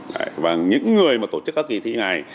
và những người mà tổ chức các kỳ thi này